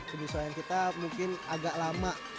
penyesuaian kita mungkin agak lama